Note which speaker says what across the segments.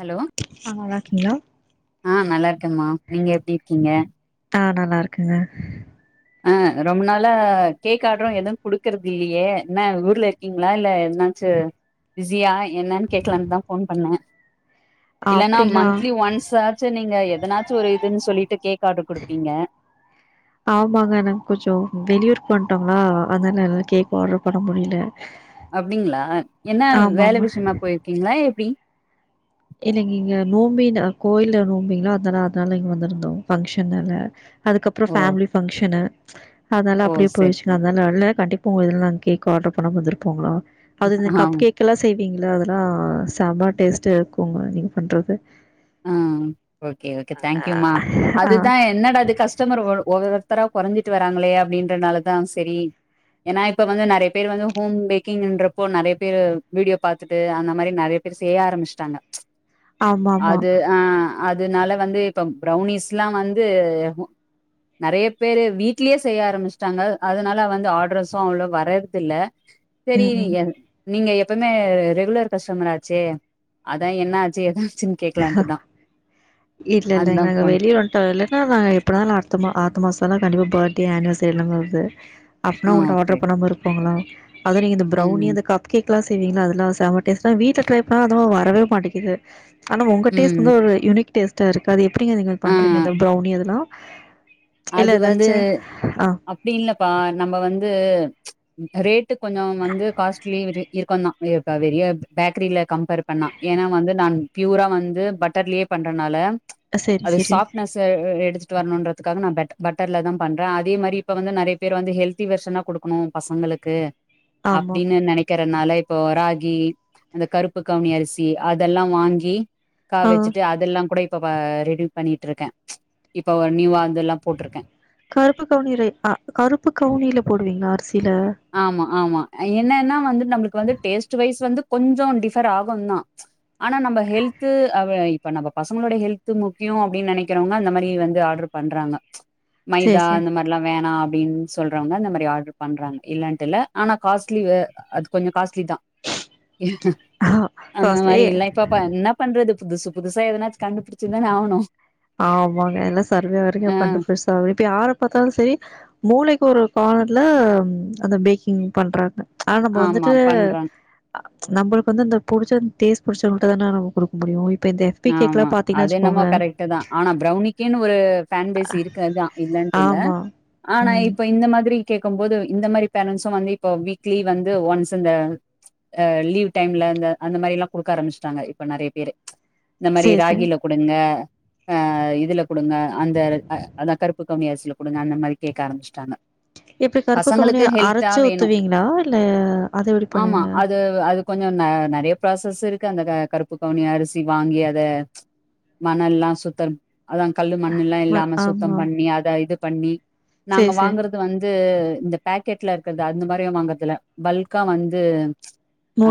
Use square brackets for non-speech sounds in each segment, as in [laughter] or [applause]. Speaker 1: Hello
Speaker 2: ஆ நல்லாருக்கீங்களா
Speaker 1: ஆ நல்லா இருக்கம்மா நீங்க எப்டி இருக்கீங்க
Speaker 2: ஆ நல்லா இருக்கங்க
Speaker 1: ஆ ரொம்ப நாள கேக் ஆர்டரு எது குடுக்குறது இல்லியே என்ன ஊர்ல இருக் ங்களா இல்ல என்னாச்சு பிஸியா என்னன்னு கேக்கலானுதா ஃபோன் பண்ணே இல்லன்னா
Speaker 2: அப்டிங்களா
Speaker 1: மந்த்லி ஒன்ஸாச்சு நீங்க எதனாச்சு ஒரு இதுன்னு சொல்லிட்டு கேக் ஆட்ரு குடுப்பீங்க
Speaker 2: ஆமாங்க நாங் கொஞ்சோ வெளியூர்க்கு வந்டோங்களா அதனால கேக் ஆட்ரு பண்ண முடில
Speaker 1: அப்டிங்களா என்ன வேல விஷ்யமா போய்ருக்கீங்களா எப்டி
Speaker 2: இல்லங்க இங்க நோம்பின் ஆ கோயில்ல நோம்பிங்கள [unintelligible] அதனால இங்க வந்திருந்தோ ஃபங்ஷனால அதுக்கப்றோ
Speaker 1: ஓ
Speaker 2: ஃபேமிலி ஃபங்க்ஷனு அதனால
Speaker 1: ஓ
Speaker 2: அப்டியே
Speaker 1: செரி
Speaker 2: போய்ச்சுங்க
Speaker 1: செரி
Speaker 2: அதனால்ல கண்டிப் பா உங்க இதுல நா கேக்கு ஆட்ரு பண்ணமா இருந்துருப்போங்களா அது இந்த
Speaker 1: ஆ
Speaker 2: கப் கேக் கிலா செய்வீங்களா அதெலா செம டேஸ்ட்டு இருக்குங்க நீங்க பண்றது
Speaker 1: ஆ ஓகே ஓகே தேங்க்யூமா
Speaker 2: ஆ
Speaker 1: அதுதா என்னட இது கஷ் டமர் ஒரு ஒவ்வொருத்தரா கொறஞ்சிட்டு வராங்களே அப்டின்றதுனால தா செரி ஏன்னா இப்ப வந்து நெறைய பேர் வந்து ஹோம் மேக்கிங்ன்றப்போ நெறைய பேரு வீடியோ பாத்துட்டு அந்த மாரி நெறைய பேரு செய்ய ஆரம்பிச்சுட்டாங்க
Speaker 2: ஆமா ஆமா
Speaker 1: அது ஆ அதுனால வந்து இப்ப பரௌனிஸ்ல்லா வந்து நெறைய பேரு வீட்லயே செய்ய ஆரம்பிச்சுட்டாங்க அதனால வந்து ஆரட்ரஸு அவ்ளோ வர்றது இல்ல செரி
Speaker 2: ம் ம்
Speaker 1: நீங்க நீங்க எப்பவுமே ரெகுலர் கஸ்டமர் ஆச்சே அதா என்ன ஆச்சு ஏதாச்சுனு
Speaker 2: இல்ல இல்ல
Speaker 1: அதுதா
Speaker 2: நாங்க
Speaker 1: ஃபோன்
Speaker 2: வெளிய வந் டோ இல்லேன்னா நாங்க எப்பனாலு அடுத்த மா அடுத்த மாசோ கண்டிப்பா பர்த்டே அனிவசரில்லா வர்து
Speaker 1: ஆ
Speaker 2: அப்பனா உங்கட்ட
Speaker 1: ஓகே
Speaker 2: ஆட்ரு பண்ணாம இருப்பாங்களா அத நீ இந்த பிரௌனி
Speaker 1: ம்
Speaker 2: இந்த கப் கேக்லா செய்வீங்களா அதெல்லா செம டேஸ்டா வீட்ல ட்ரை பண்ண அதல்லா வரவே மாட்டிக்குது ஆனா உங்க டேஸ்ட்
Speaker 1: ம்
Speaker 2: வந்து ஒரு யூனிக் டேஸ்ட்டா இருக்கு அது எப்டிங்க நீங்க
Speaker 1: ஆ
Speaker 2: பண்றீங்க அத பிரௌனி அதெல்லா இல்ல ஏதாச்சு ஆ
Speaker 1: அப்டியில்லப்பா நம்ம வந்து ரேட்டு கொஞ்சோ வந்து காஸ்ட்லி இருக்குந்தா வெளிய பேக்ரில கம்பேர் பண்ணா ஏனா வந்து நான் ப்யூரா வந்து பட்டர்லயே பண்றதுனால
Speaker 2: சரி
Speaker 1: அது
Speaker 2: சரி
Speaker 1: சாப்னஸ்ச எடுத்துட்டு வர்ணுன்றதுக்கு காக நா பெட் பட்டர்லதா பண்ற அதே மாரி இப்ப வந்து நெறைய பேர் வந்து ஹெல்த்தி வெர்ஷனா குடுக்கணு பசங்களுக்கு
Speaker 2: ஆமா
Speaker 1: அப்டின்னு நெனை க்கரனாலா இப்போ ராகி அந்த கருப்பு கவுனி அரிசி அதெல்லா வாங்கி கா
Speaker 2: ஆ
Speaker 1: வெச்சுட்டு அதெல்லா கூட இப்ப ரெடி பண்ணிட்டுருக்க இப்ப ஒரு நியூவா இதெல்லா போட்டிருக்கேன்
Speaker 2: கருப்பு கவுனில ரை அ கருப்பு கவுனில போடுவீங்ளா அரிசில
Speaker 1: ஆமா ஆமா என்னன்னா வந்து நம்மளுக்கு வந்து டேஸ்ட் வைஸ் வந்து கொஞ்சோ டிஃபர் ஆகுந்தா ஆனா நம்ம ஹெல்த்து அ வை இப்ப நம்ம பசங்ளோட ஹெல்த்து முக்கியோ அப்டின் நெனைக்கறவங்க அந்த மாரி வந்து ஆர்ட்ர் பண்றாங்க ப்ச்
Speaker 2: சரி
Speaker 1: மைதா
Speaker 2: சரி
Speaker 1: இந்த மாதிரில்லா வேணா அப்டின் சொல்றவங்க இந்த மாரி ஆர்டர் பண்றாங்க இல்லன்ட்டுல்ல ஆனா காஸ்ட்லி எ அது கொஞ்சோ காஸ்ட்லிதா
Speaker 2: ஆ
Speaker 1: அந்த மாரி
Speaker 2: ஃபர்ஸ்ட்லயே
Speaker 1: இல்லை பப்பா என்ன பண்றது புதுசு புதுசா எதனாச்சு கண்டுபுடி
Speaker 2: ஆமாங்க எல்லா சர்வே வரைக்கு
Speaker 1: ஆ
Speaker 2: பண்டு பெருசாவே இப்ப யாரு பாத்தாலு செரி மூலைக்கு ஒரு கார்னர்ல அந்த பேக்கிங் பண்றாங்க ஆ நம்ம
Speaker 1: ஆமா
Speaker 2: வந்துட்டு
Speaker 1: பண்றாங்க.
Speaker 2: நம்மளுக்கு வந்து அந்த புடுச்ச டேஸ் புடுச்சவங்கள்ட்டதான நம்ம குடுக்க முடியு இப்ப இந்த எஃப் பி கேக்கெல்லா பா
Speaker 1: அதென்னமோ கரெக்ட்டுதா ஆனா ப்ரௌனிக்கினு ஒரு ஃபேன்டேஸி இருக்கதா இல்லன்ட்டில்ல
Speaker 2: ஆமா.
Speaker 1: ஆனா
Speaker 2: ம்.
Speaker 1: இப்ப இந்த மாரி கேக்கும்போது இந்த மாரி பேரன்ஸு வந்து இப்ப வீக்லி வந்து ஒன்ஸ் இந்த அ லீவ் டைம்ல அந்த அந்தமாரில்லா குடுக்க ஆரம்பிச்சிட்டாங்க இப்ப நெறையா பேரு இந்த மாரி
Speaker 2: சரி, சரி.
Speaker 1: ராகில குடுங்க அ இதுல குடுங்க அந்த அ அதா கருப்பு கவுனி அரிசில குடுங்க அந்த மாரி கேக்க ஆரம்பிச்சிட்டாங்க
Speaker 2: எப்டி கருப்பு கவுனிய அரச்சு
Speaker 1: வேணு
Speaker 2: ஊத்துவீங்ளா இல்ல அத எப்டி
Speaker 1: ஆமா
Speaker 2: பண்ணுவீங்க
Speaker 1: அது அது கொஞ்சோ நெ நெறையா ப்ராசஸ் இருக்கு அந்த க கருப்பு கவுனி அரிசி வாங்கி அத ப்ச் மணல்லா சுத்த அதா கல்லு மண்ணெல்லா
Speaker 2: ம
Speaker 1: இல்லாம சுத்தம்
Speaker 2: ஆமா.
Speaker 1: பண்ணி அத இது பண்ணி நாங்க
Speaker 2: சரி, சரி.
Speaker 1: வாங்கறது இது வந்து இந்த பேக்கெட்ல இருக்கறது அந்த மாரி வாங்கறதில்ல பல்க்கா வந்து ப்ச்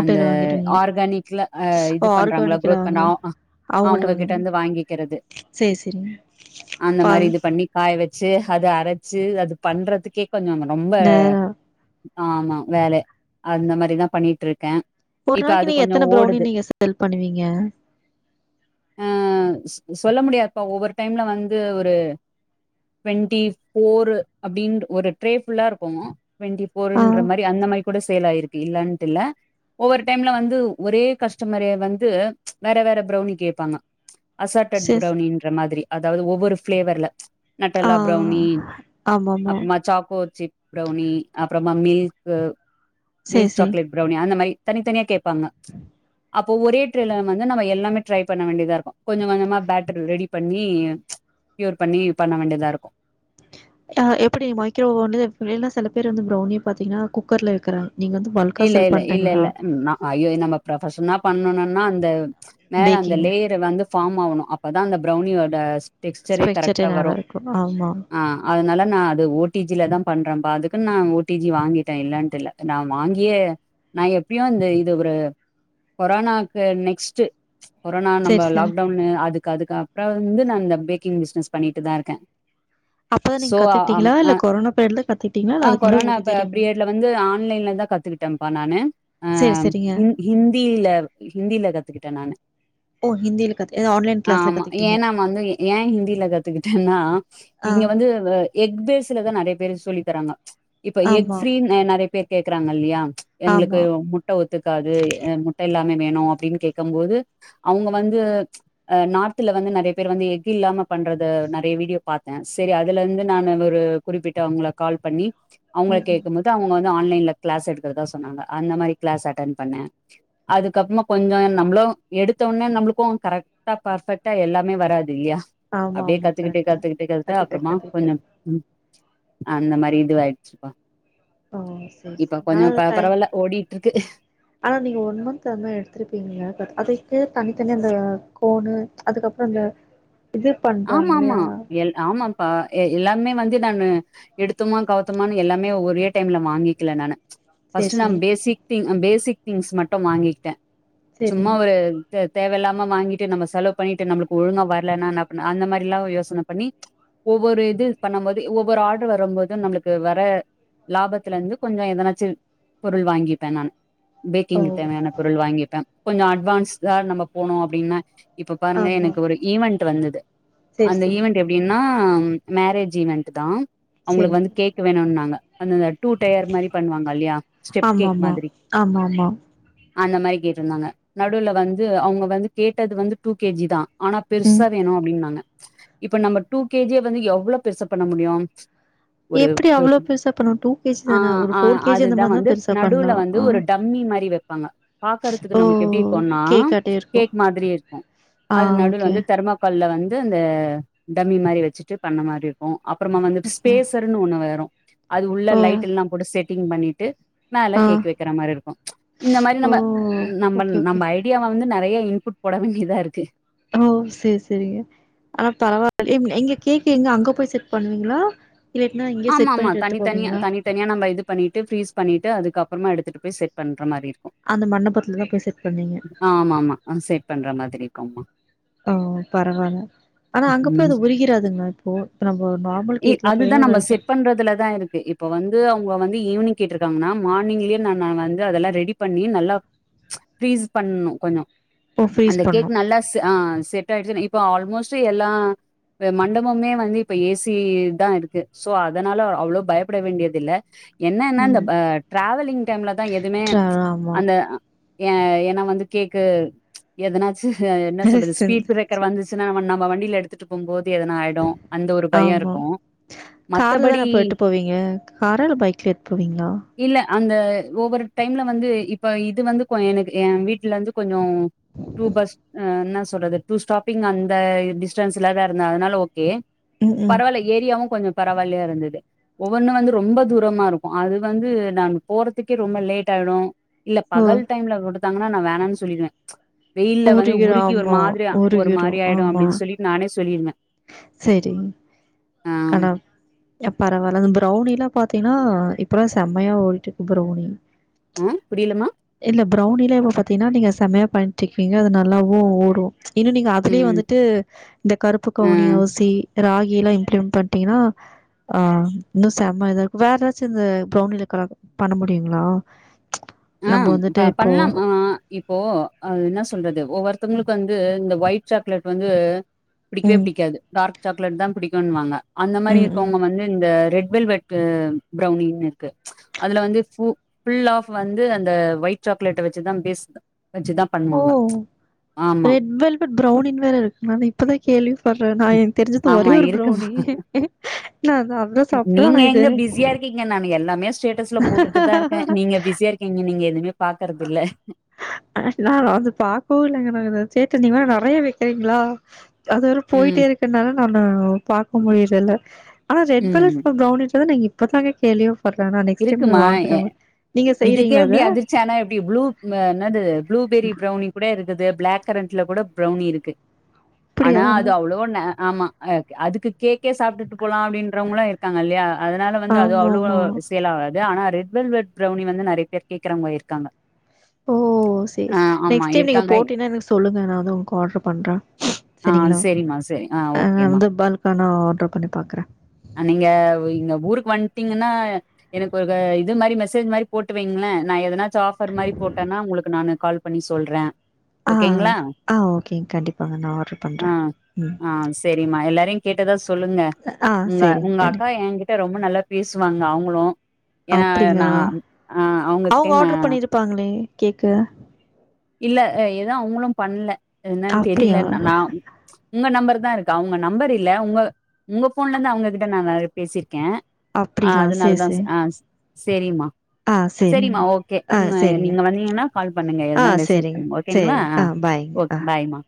Speaker 1: அந்த
Speaker 2: வாங்கிடுவீங்க.
Speaker 1: ஆர்கானிக்ல அ
Speaker 2: ஓ!
Speaker 1: இது பண்றாங்கல்ல
Speaker 2: ஆர்கானிக்ல
Speaker 1: குரோத் பண்றா
Speaker 2: வாங்கலாம்.
Speaker 1: அ
Speaker 2: அவங்கள்ட்ட வாங்கிடுவீங்க.
Speaker 1: அவுங்ககிட்டந்து வாங்கிக்கறது
Speaker 2: சரி, சரிங்க.
Speaker 1: அந்த மாரி
Speaker 2: பால்
Speaker 1: இது பண்ணி காய வெச்சு அது அரச்சு அது பண்றதுக்கே கொஞ்சோ ரொம்ப
Speaker 2: நேரா
Speaker 1: ஆமா வேல அந்த மாரிதா பண்ணிட்ருக்க
Speaker 2: ஒரு நாளைக்கு நீங்க எத்தன ப்ரௌனி நீங்க சேல் பண்ணுவீங்க
Speaker 1: அ சொல்ல முடியாதுப்பா ஒவ்வொரு டைம்ல வந்து ஒரு ட்வெண்டி ஃபோர் அப்டின் ஒரு ட்ரே புல்லா இருக்கு டுவெண்டி
Speaker 2: ஆ
Speaker 1: ஃபோர்ன்ற மாரி அந்தமாரி கூட சேல் ஆய்ரு இல்லன்ட்டு இல்ல ஒவ்வொரு டைம்ல வந்து ஒரே கஸ்டமரே வந்து வேற வேற ப்ரௌனி கேப்பாங்க ப்ச் அசாடட்
Speaker 2: சேர்
Speaker 1: ப்ரவ்னின்ற மாரி அதாவது ஒவ்வொரு ஃப்ளேவர்ல ப்ச்
Speaker 2: ஆ
Speaker 1: நட்டல்லா ப்ரௌனி
Speaker 2: ஆமாமா
Speaker 1: அப்றமா சாக்கோ சிப் ப்ரௌனி அப்றமா மில்க் அ
Speaker 2: சேர்
Speaker 1: மில்க்
Speaker 2: சேரி
Speaker 1: சாக்லேட் ப்ரௌனி அந்த மாரி தனித்தனியா கேப்பாங்க ப்ச் அப்போ ஒரே ட்ரேல வந்து நம்ம எல்லாமே ட்ரை பண்ண வேண்டிதா இருக்கு கொஞ்சோ கொஞ்சமா பேட்டரி ரெடி பண்ணி ப்ச் க்யூர் பண்ணி பண்ண வேண்டியதா இருக்கு
Speaker 2: த எப்படி மைக்கிரோவோண்டு இல்ல சில பேர் வந்து ப்ரௌனி பாத்தீங்னா குக்கர்ல வைக்கிறாங்க நீங்க வந்து பல்கா
Speaker 1: இல்ல
Speaker 2: சேல்
Speaker 1: இல்ல
Speaker 2: பண்றீங்களா
Speaker 1: இல்லல்லா நா ஐயோ இத நம்ப ப்ரொப்ஷ்னா பண்ணணுனா அந்த மேல அந்த
Speaker 2: பேக்கிங்
Speaker 1: லேயரு வந்து ஃபார்ம் ஆகணு அப்ப தா அந்த ப்ரௌனியோட டெக்ஸ்சரே
Speaker 2: ஸ்ட்ரக்சரே
Speaker 1: கரெக்டா வரு
Speaker 2: நல்லா இருக்கு ஆமா
Speaker 1: ஆ அதனால நா அது ஓ டி ஜி ல தா பண்றேபா அதுக்கு நா ஓ டி ஜி வாங்கிட்டே இல்லன்டுல்ல நா வாங்கியே நா எப்டியு வந்து இது ஒரு கொரோனாக்கு நெக்ஸ்ட்டு கொரோனா நம்ப
Speaker 2: சேரி சேரி
Speaker 1: லாக்டவுனு அதுக் கதுக்கப்ற வந்து நா இந்த பேக்கிங் பிச்னஸ் பண்ணிட்டுதா இருக்கே
Speaker 2: அப்ப நீங்
Speaker 1: சோ அம்
Speaker 2: கத்துக்டீங்களா இல்ல
Speaker 1: அ
Speaker 2: கொரோனா பேர்டுதா கத்துக்டீங்ளா
Speaker 1: ஆ
Speaker 2: இல்ல அதுக் முன்ன
Speaker 1: கொரோனா
Speaker 2: உங்ளுக்கு
Speaker 1: ப
Speaker 2: தெரியுமா
Speaker 1: பீரியட்ல வந்து ஆன்லைன்ல தா கத்துக்கிட்டேபா நானு
Speaker 2: சேரி செரிங்க
Speaker 1: ஹிந்தியில ஹிந்தில கத்துக்கிட்டே நானு
Speaker 2: ஓ ஹிந்தில எது ஆன்லைன்
Speaker 1: ஆ
Speaker 2: கிளாஸ்ல
Speaker 1: ஆமா
Speaker 2: கத்துக்கிட்டீங்க
Speaker 1: ஏனா வந்து ஏ ஹிந்தியில கத்துக்கிட்டேன்னா
Speaker 2: ஆ
Speaker 1: இங்க வந்து எக் பேஸ்ல தா நெறைய பேரு சொல்லி தராங்க இப்ப எக்
Speaker 2: ஆமா
Speaker 1: ஃப்ரி நெறைய பேர் கே க்கிறாங்க இல்லையா எங்களுக்கு
Speaker 2: ஆமா
Speaker 1: மு முட்ட ஒத்துக்காது அ முட்ட இல்லாமே வேணு அப்டின்னு கேக்கம் போது அவங்க வந்து ஆ நார்த்ல வந்து நெறைய பேர் வந்து எக் இல்லாம பண்றது நெறைய வீடியோ பாத்தே சரி அதுல இருந்து நானு ஒரு குறிப்பிட்டு அவங்கள கால் பண்ணி அவங்கள
Speaker 2: ம் ம்
Speaker 1: கேக்கும்போது அவங்க வந்து ஆன்லைன்ல க்ளாஸ் எடுக்கறதா சொன்னாங்க அந்த மாரி க்ளாஸ் அட்டன் பண்ணே அதுக்கப்பறமா கொஞ்சோ நம்மளு எடுத்தோடனே நம்மளுக்கு கரெக் ட்டா பர்ஃபெக்ட்டா எல்லாமே வராது இல்லையா
Speaker 2: ஆமா
Speaker 1: அப்டியே
Speaker 2: ஆமா
Speaker 1: கத்துக்கிட்டு
Speaker 2: கரெக்ட்டு
Speaker 1: கத்துக்கிட்டு கத்துட்டு
Speaker 2: கத்துக்கிட்டே
Speaker 1: அப்பறமா
Speaker 2: கத்துக்கிட்டே
Speaker 1: கொஞ்சோ ம் அந்த மாரி இதுவாயிடுச்சுப்பா
Speaker 2: ஓ செரி செரி
Speaker 1: இப்ப
Speaker 2: ஆனா
Speaker 1: கொஞ்ச
Speaker 2: அது
Speaker 1: ப
Speaker 2: டைம்
Speaker 1: பரவால்ல ஓடிட்ருக்கு
Speaker 2: ஆனா நீங்க ஒன் மந்த் அந்தமாரி எடுத்துருப்பீங்கங்கள அதுக்கு தனித்தனி அந்த கோணு அதுக்கப்பறோ அந்த இது
Speaker 1: ஆமா
Speaker 2: பண்றாங்க
Speaker 1: ஆமா
Speaker 2: இல்லையா
Speaker 1: எ ஆமாப்பா எ எல்லாமே வந்து நானு எடுத்தமா கவுத்தோமானு எல்லாமே ஒரே டைம்ல வாங்கிக்கல நானு
Speaker 2: செரி
Speaker 1: ஃபஸ்ட்டு நா
Speaker 2: செரி
Speaker 1: பேசிக் திங் பேசிக் திங்ஸ் மட்டு வாங்கிட்டே
Speaker 2: செரி
Speaker 1: சும்மா ஒரு தே தேவையில்லாம வாங்கிட்டு நம்ம செலவு பண்ணிட்டு நம்ளுக்கு ஒழுங்கா வரலனா என்ன பண்ண அந்த மாரிலா யோசன பண்ணி ஒவ்வொரு இது பண்ணும் போது ஒவ்வொரு ஆர்டர் வரும்போது நம்மளுக்கு வர லாபத்துல இருந்து கொஞ்சோ எதனாச்சு பொருள் வாங்கிப்பே நான்
Speaker 2: ஓ
Speaker 1: பேக்கிங்கு தேவையான பொருள் வாங்கிப்பே கொஞ்சோ அட்வான்ஸ் தா நம்ம போனோ அப்டின்னா இப்ப பாருங்க
Speaker 2: ஆமா
Speaker 1: எனக்கு ஒரு ஈவென்ட் வந்தது
Speaker 2: செரி
Speaker 1: அந்த
Speaker 2: செரி
Speaker 1: ஈவென்ட் எப்டின்னா மேரேஜ் ஈவென்ட்டு தா அவங்களுக்கு
Speaker 2: செரி
Speaker 1: வந்து கேக் வேணுன்னாங்க அந்த டூ டயர் மாரி பண்ணுவாங்க இல்லையா ஸ்டெப்
Speaker 2: ஆமா
Speaker 1: கேக்
Speaker 2: ஆமா
Speaker 1: மாதிரி
Speaker 2: ஆமா ஆமா
Speaker 1: அந்த மாரி கேட்ருந்தாங்க நடுல வந்து அவங்க வந்து கேட்டது வந்து டூ கே ஜி தா ஆனா
Speaker 2: ம்
Speaker 1: பெருசா வேணு அப்டின்னாங்க இப்ப நம்ம டூ கே ஜிய வந்து எவ்வளோ பெருசா பண்ண முடியு ஒரு
Speaker 2: எப்டி
Speaker 1: க
Speaker 2: அவ்ளோ பெருசா பண்ணனு டூ கேஜி
Speaker 1: ஆ
Speaker 2: தான ஒரு
Speaker 1: ஆ
Speaker 2: ஃபோர் கேஜி அந்த
Speaker 1: அதுதா
Speaker 2: மாரினா
Speaker 1: வந்து
Speaker 2: பெருசா பண்லா
Speaker 1: நடுல வந்து
Speaker 2: ஆ
Speaker 1: ஒரு ட ம்மி மாரி வப்பாங்க பாக்கறதுக்கு
Speaker 2: ஓ
Speaker 1: நம்மளுக்கு எப்டி இருக்குன்னா
Speaker 2: கேக்காட்டே இருக்கு
Speaker 1: கேக் மாதிரி இருக்கு
Speaker 2: ஆ
Speaker 1: அது நடுவுல
Speaker 2: ஓகே
Speaker 1: வந்து தெர்மா கோல்ல வந்து அந்த டம்மி மாரி வச்சுட்டு பண்ண மாரி இருக்கு அப்பறமா வந்துட்டு
Speaker 2: ஓகே
Speaker 1: ஸ்பேஸ ஒண்ணு வரு அது உள்ள
Speaker 2: ஓ
Speaker 1: லைட் எல்லா போட்டு செட்டிங் பண்ணிட்டு மேல
Speaker 2: ஆ
Speaker 1: கேக்கு வைக்கிற மாரி இருக்கு இந்த மாரி
Speaker 2: ஓ
Speaker 1: நம்ம நம்ம
Speaker 2: ஓகே ஓகே
Speaker 1: நம்ம ஐடியாவ வந்து நெறைய இன்புட் போடவேண்டியதா இருக்கு
Speaker 2: ஓ சேரி சேரிங்க ஆனா பரவால் [unintelligible] எங்க கேக்கு எங்க அங்க போய் செட் பண்ணுவீங்களா இல்லைட்னா இங்கயே செட் பண்ணிட்டு எடுத்து போவீங்களா
Speaker 1: தனியா நம்ம இது பண்ணிட்டு ஃப்ரிஸ் பண்ணிட்டு அதுக்கப்புறமா எடுத்துட்டு போய் செட் பண்ற மாரி இருக்
Speaker 2: அந்த மண்டபத்துல தா போய் செட் பண்வீங்க
Speaker 1: ஆமா ஆமா அ செட் பண்ற மாதிரி கம்ம
Speaker 2: ஓ பரவால்ல ஆனா அங்க போய்
Speaker 1: ம்
Speaker 2: அது உருகிறாதுங்களா இப்போ இப்ப நம்ம நார்மல் கேக்லா [unintelligible]
Speaker 1: நம்ப செட் பண்றதுல தா இருக்கு இப்ப வந்து அவங்க வந்து ஈவினிங் கேட்ருக்காங்கனா மார்னிங்லயே நானு வந்து அதெல்லா ரெடி பண்ணி நல்லா ஃப்ரீஸ் பண்ணும் கொஞ்சோ
Speaker 2: ஓ ஃப்ரீஸ்
Speaker 1: அந்த கேக்
Speaker 2: பண்ணும்
Speaker 1: நல்ல ஸ் ஆ செட் ஆய்ட்ச்னு இப்ப ஆல்மோஸ்ட் எல்லா து மண்டபமே வந்து இப்ப ஏசி தா இருக்கு சோ அதனால அவ்ளோ பயப்பட வேண்டியதில்ல என்னனா இந்த
Speaker 2: ம்
Speaker 1: ப ட்ராவலிங் டைம்ல தா எதுமே
Speaker 2: ட்ரா ஆமா
Speaker 1: அந்த அ ஏ ஏனா வந்து கேக்கு எதனாச்சு அ என்ன சொல்றது ஸ்பீட் ப்ரேக் க்கர் வந்துச்சுனா நம நம்ப வண்டில எடுத்துட்டு போம்போது எதனா ஆய்டு அந்த ஒரு பயோ
Speaker 2: ஆமா
Speaker 1: இருக்கு
Speaker 2: கார்ல தான
Speaker 1: மத்தபடி
Speaker 2: அப்ப எட்டு போவீங்க காரா இல்ல பைக்ல எடுத்து போவீங்ளா
Speaker 1: இல்ல அந்த ஒவ்வொரு டைம்ல வந்து இப்ப இது வந்து கொ எனக்கு என் வீட்ல இருந்து கொஞ்சோ டூ பஸ் அ இன்ன சொல்றது டூ ஸ்டாப்பிங் அந்த டிஸ்டன்ஸ்லதா இருந்த அதனால ஓகே
Speaker 2: ம் ம்
Speaker 1: பரவால்ல ஏரியாவு கொஞ்சோ பரவால்லயா இருந்துது ஒவ்வொன்னு வந்து ரொம்ப தூரமா இருக்கு அது வந்து நான் போறதுக்கே ரொம்ப லேட் ஆய்டு இல்ல
Speaker 2: ஓ
Speaker 1: பகல் டைம்ல விடுத்தாங்கனா நா வேணாண்னு சொல்லிடுவே வெயில்ல வந்து
Speaker 2: உருகிரும்
Speaker 1: உருகி ஒரு
Speaker 2: ஆமா
Speaker 1: மாதிரி ஒரு மாரி
Speaker 2: உருகிரும்
Speaker 1: ஆய்டும் அப்டின் சொல்லி நானே சொல்லிறுவே
Speaker 2: சேரிங் கணா பரவால்ல அந்த ப்ரௌனிலா பாத்தீங்னா அ இப்பல்லா செமையா ஓடிட்டு இருக்கு ப்ரௌனி
Speaker 1: ம் புரியிலமா
Speaker 2: இல்ல ப்ரெளனிலே இப்ப பாத்தீனா நீங்க செமையா பண்ட் இருக்கீங்க அது நல்லாவு ஓடு இன்னு நீங்க அதுலயே
Speaker 1: ம்
Speaker 2: வந்துட்டு இந்த கருப்பு
Speaker 1: ஆ
Speaker 2: கவுனி அவ்சி ராகிலா இம்ப்ளி பன்ட்டீங்கனா ஆ இன்னு செம இதா இருக்கு வேற ஏதாச்சு இந்த ப்ரௌனில க பண்ண முடியுங்ளா
Speaker 1: ஆ ப பண்லாம் ஆ இப்போ அது இன்ன சொல்றது ஒவ்வொருத்தங்ளுக்கு வந்து இந்த ஒய்ட் சாக்லேட் வந்து பிடிக்கவே
Speaker 2: ம்
Speaker 1: பிடிக்காது டார்க் சாக்லேட் தா புடிக்குன்வாங்க அந்த மாரி
Speaker 2: ம் ம்
Speaker 1: இருக்கவங்க வந்து இந்த ரெட் வெல்வெட் கு ப்ரெளனினு இருக்கு அதுல வந்து பு ஃபுல்லாப் வந்து அந்த ஒய்ட் சாக்லேட்ட வச்சுதா பேஸ் வச்சுதா
Speaker 2: ஓ
Speaker 1: பண்ணுவாங்க ஆமா.
Speaker 2: ரெட் வெல்வெட் ப்ரெளனின்னு வேற இருக்குங்ளா நா இப்பதா கேள்வி பட்றே நா எனக்கு தெரிஞ்சது
Speaker 1: ஆமா
Speaker 2: ஒரே ஒரு
Speaker 1: இருக்கு.
Speaker 2: ப்ரௌனி நா அதா அதா சாப்ட்ட ஆனா இது
Speaker 1: க்கீங்க நான் எல்லாமே ஸ்டேட்டஸ்ல போட்டுட்டு தா இருக்கே நீங்க பிஸியா இருக்கீங்க நீங்க எதுமே பாக்கறதில்ல
Speaker 2: ஆ நா வந்து பாக்கோ இல்லங்க நா அத சேட்டஸ் நீங்க வேற நெறையா வெக்கறீங்ளா அது வேர
Speaker 1: ம்,
Speaker 2: போய்ட்டே இருக்கனால நானு பாக்க முடியலல்ல ஆனா ரெட் கலர்
Speaker 1: ம்.
Speaker 2: ப்ரெளனி வச்சத நா இப்பதாங்க கேள்வி பட்ற நா நெக்ஸ்ட் டைம் அத
Speaker 1: இருக்குமா
Speaker 2: வாங்கறக நீங்க செய்றீங்ளா அத
Speaker 1: சனா எப்டி ப்ளூ ஆ என்னது ப்ளூபெரி ப்ரெளனி கூட இருக்குது ப்ளாக் கரண்ட்ல கூட ப்ரௌனி இருக்கு ஆனா
Speaker 2: அப்டியா
Speaker 1: அது அவ்ளவா ந ஆமா அ அதுக்கு கேக்கே சாப்டுட்டு போலா அப்டின்றவங்களு இருக்காங்க இல்லயா அதனால வந்து அது
Speaker 2: ஆமா
Speaker 1: அவ்ளோவ
Speaker 2: ஆமா
Speaker 1: சேல் ஆவாது ஆனா ரெட் வெல்வெட் ப்ரெளனி வந்து நெறய பேர் கேக்கறவங்க இருக்காங்க
Speaker 2: ஓ சேரி
Speaker 1: ஆ
Speaker 2: செ
Speaker 1: ஆமா
Speaker 2: நெக்ஸ்ட் டைம் நீங்க
Speaker 1: இருக்காங்க
Speaker 2: போட்டீனா எனக்கு சொல்லுங்க நானு வந்து உங்க்கு ஆர்டர் பண்ற சரிங்ளா
Speaker 1: சேரி மா சேரி அ
Speaker 2: ஆ வந்து பல்கானா ஆர்டர் பண்ணி பாக்கறே
Speaker 1: அ நீங்க உ இங்க ஊருக்கு வன்ட்டீங்கனா எனக்கு ஒரு ஆ இது மாரி மெசேஜ் மாரி போட்டு வைங்ளே நா எதனாச்சும் ஆஃபர் மாரி போட்டனா உங்ளுக்கு நானு கால் பண்ணி சொல்றே
Speaker 2: ஆ
Speaker 1: ஓகேங்களா
Speaker 2: ஆ ஓகேங்க கண்டிப்பாங்க நா ஆர்டர்
Speaker 1: ஆ
Speaker 2: பண்றே ம்
Speaker 1: ஆ ஸ் சேரிமா எல்லாரயு கேட்டதா சொல்லுங்க
Speaker 2: ஆ
Speaker 1: உங்க
Speaker 2: சரிங்க
Speaker 1: உங்க அக்கா
Speaker 2: கண்டிப்
Speaker 1: என் கிட்ட ரொம்ப நல்லா பேசுவாங்க அவங் ங்ளும் ஏனா நா
Speaker 2: அப்டிங்களா
Speaker 1: ஆ அவங்ககிட்டயு நா
Speaker 2: ப்பாங்ளே கேக்க
Speaker 1: இல்ல ஏது அவங்களு பண்ணல என்னன்னு
Speaker 2: அப்டியா
Speaker 1: தெரியல நான் உங்க நம்பர் தா இருக்கா அவங்க நம்பர் இல்ல உங்க உங்க போன்ல இருந்து அவங்ககிட்ட நா நெறயா பேசிருக்கே ஆ
Speaker 2: அப்டிங்களா
Speaker 1: அதனாலதா
Speaker 2: சேரி
Speaker 1: ஆ சேரிமா
Speaker 2: சேரி
Speaker 1: சேரிமா ஓகே
Speaker 2: ஆ சேரிங்க ஆ
Speaker 1: உ
Speaker 2: சேரிங்க
Speaker 1: நீங்க வசந்தீங்கன்னா கால் பண்ணுங்க
Speaker 2: ஆ
Speaker 1: எதுனா
Speaker 2: சேரிங்க
Speaker 1: சேரி ஓகேங்களா
Speaker 2: சேரிங்க ஆ பாய்ங்க
Speaker 1: ஓகே
Speaker 2: ஆ
Speaker 1: பாய்மா